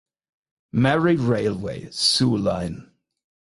Marie Railway (Soo Line).